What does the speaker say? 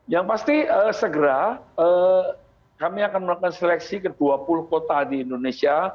yang pasti segera kami akan melakukan seleksi ke dua puluh kota di indonesia